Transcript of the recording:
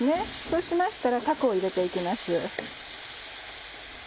そうしましたらたこを入れて行きます。